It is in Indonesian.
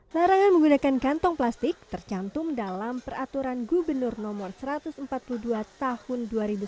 larangan menggunakan kantong plastik tercantum dalam peraturan gubernur no satu ratus empat puluh dua tahun dua ribu sembilan belas